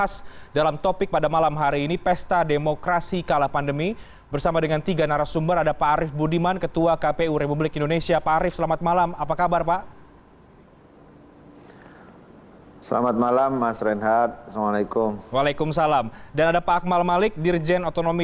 selamat malam mas renhardt kabar baik sekali